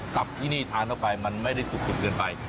ซับตรงนี้ทานเท่ากันไม่ได้ซุบขึ้นเกินไป